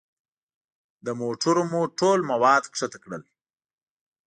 له موټرو مو ټول مواد ښکته کړل.